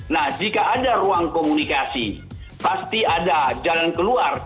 nah jika ada ruang komunikasi pasti ada jalan keluar